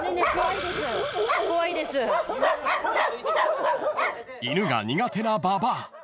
［犬が苦手な馬場］